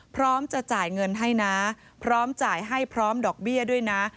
พร้อมจะจ่ายเงินให้นะพร้อมจ่ายให้พร้อมดอกเบี้ยด้วยนะ